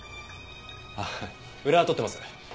ああ裏は取ってます。